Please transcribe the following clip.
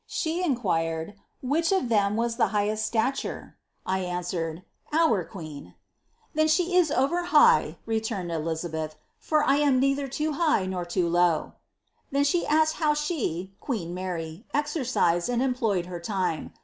She inquired "'which of them was ihe highest Htalure.' I BRMwered ^ our queen.' '■ Then she is over high,' relumed Elizabei I ' for I am neither loo high nor loo low.' Then ihe asked how ri (queen Mary) exercised and employed her lime.